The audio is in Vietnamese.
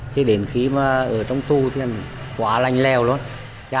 thì đến khi mà ở trong tu thì quá lành leo luôn